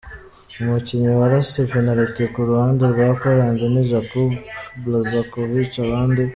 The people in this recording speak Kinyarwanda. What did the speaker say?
Umukinnyi warase penaliti ku ruhande rwa Poland ni Jakub Blaszczykowsk, abandi